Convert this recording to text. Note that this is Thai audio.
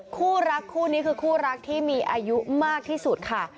คู่รักคู่นี้คือคู่รักที่มีอายุมากที่สุดค่ะ